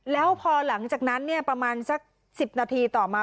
แล้วพอหลังจากนั้นประมาณสัก๑๐นาทีต่อมา